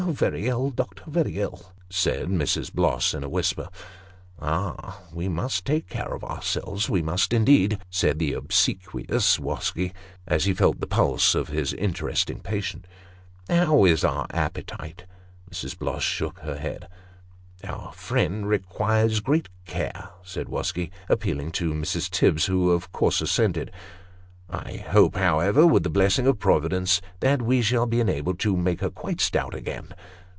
" Very ill, doctor very ill," said Mrs. Bloss, in a whisper. " Ah ! we must take cafe of ourselves ; we must, indeed," said the obsequious Wosky, as he felt the pulse of his interesting patient. " How is our appetite ?" Mr. Evenson has made a Discovery. 227 Mrs. Bloss shook her head. " Our friend requires great caro," said Wosky, appealing to Mrs. Tibbs, who of course assented. " I hope, however, with the blessing of Providence, that we shall be enabled to make her quite stout again."